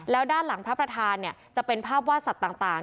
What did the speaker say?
แล้วด้านหลังพระประธานจะเป็นภาพวาดสัตว์ต่าง